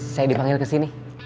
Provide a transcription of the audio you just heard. saya dipanggil kesini